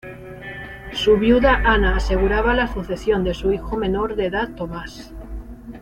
Su viuda Ana aseguraba la sucesión de su hijo menor de edad Tomás.